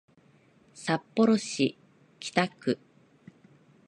札幌市北区